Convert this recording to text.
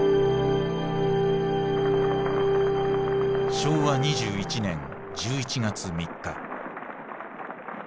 昭和２１年１１月３日。